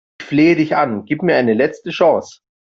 Ich flehe dich an, gib mir eine letzte Chance!